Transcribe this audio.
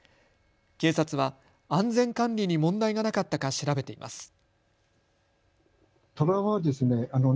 警察は安全管理に問題がなかったか調べています。